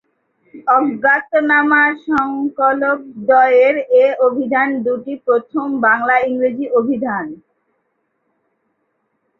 অজ্ঞাতনামা সংকলকদ্বয়ের এ অভিধান দুটি প্রথম বাংলা-ইংরেজি অভিধান।